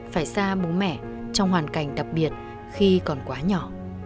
phải xa bố mẹ trong hoàn cảnh đặc biệt khi còn quá nhỏ